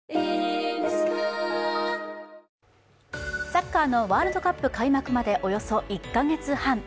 サッカーのワールドカップ開幕まで、およそ１か月半。